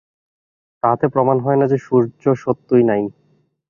তাহাতে প্রমাণ হয় না যে, সূর্য সত্যই নাই।